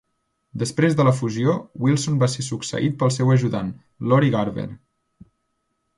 Després de la fusió, Wilson va ser succeït pel seu ajudant, Lori Garver.